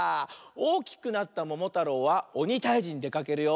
おおきくなったももたろうはおにたいじにでかけるよ。